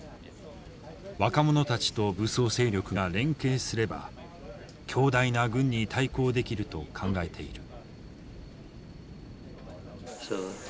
若者たちと武装勢力が連携すれば強大な軍に対抗できると考えている。